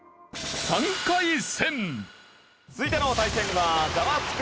続いての対戦はザワつく！